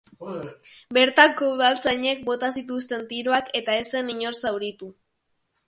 Bertako udaltzainek bota zituzten tiroak eta ez zen inor zauritu.